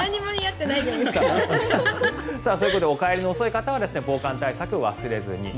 お帰りの遅い方は防寒対策忘れずに。